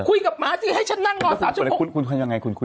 คุยกับหมาสิให้ฉันนั่งรอสามชั่วโมงคุณคุยยังไง